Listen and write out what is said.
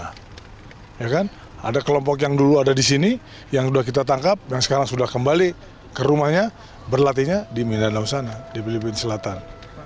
ada kelompok yang dulu ada di sini yang sudah kita tangkap yang sekarang sudah kembali ke rumahnya berlatihnya di mindanao sana di filipina selatan